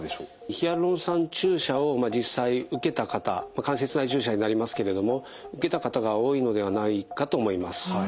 ヒアルロン酸注射を実際受けた方関節内注射になりますけれども受けた方が多いのではないかと思います。